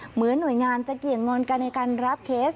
เหมือนหน่วยงานจะเกี่ยงงอนกันในการรับเคส